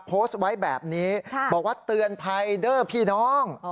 โพสต์ไว้แบบนี้บอกว่าเตือนภัยเด้อพี่น้อง